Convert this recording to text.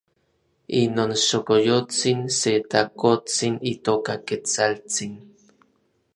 inon xokoyotsin se takotsin itoka Ketsaltsin.